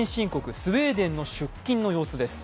スウェーデンの出勤の様子です。